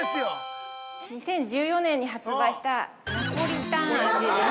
２０１４年に発売した、ナポリタン味です。